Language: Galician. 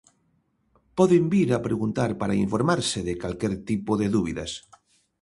Poden vir a preguntar para informarse de calquera tipo de dúbidas.